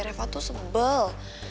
reva tuh sebel